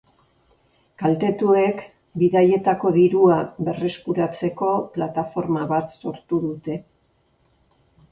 Kaltetuek, bidaietako dirua berreskuratzeko plataforma bat sortu dute.